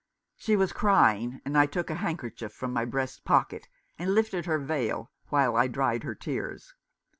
She was crying, and I took a handkerchief from my breast pocket, and lifted her veil, while I dried her tears.